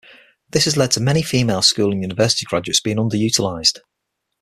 This has led to many female school and university graduates being under-utilized.